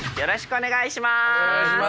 お願いします。